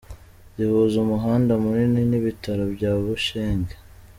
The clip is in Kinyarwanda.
Zihuza umuhanda munini n’ibitaro bya Bushenge!